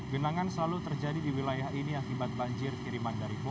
genangan selalu terjadi di wilayah ini akibat banjir kiriman dari pulau